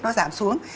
nó giảm xuống